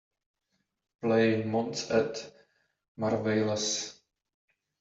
Play Monts Et Merveilles.